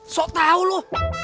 so tau lu